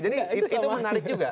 jadi itu menarik juga